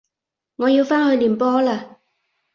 我要返去練波喇